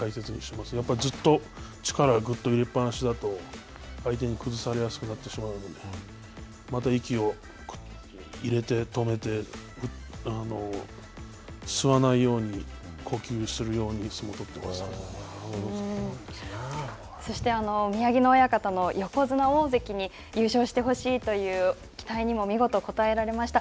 やっぱりずっと力をぐっと入れっ放しだと相手に崩されやすくなってしまうので、また息をくっと入れて、止めて、ぐっと、吸わないように呼吸するようにそして、宮城野親方の横綱、大関に優勝してほしいという期待にも見事応えられました。